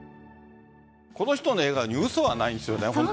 この人の笑顔に嘘はないですよね。